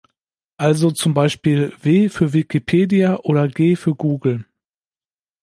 Also zum Beispiel W für Wikipedia oder G für Google.